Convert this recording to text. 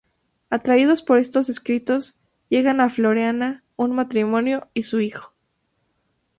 Atraídos por estos escritos llegan a Floreana un matrimonio y su hijo.